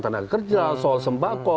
tenaga kerja soal sembako